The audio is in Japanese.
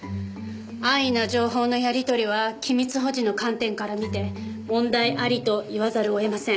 安易な情報のやり取りは機密保持の観点から見て問題ありと言わざるを得ません。